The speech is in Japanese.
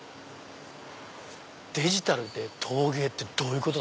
デジタル陶芸ってどういうこと？